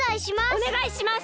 おねがいします！